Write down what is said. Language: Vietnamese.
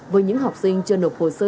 với những học sinh chưa nộp hồ sơ